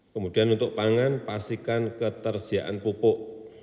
kemudian untuk pangan pastikan ketersediaan pupuk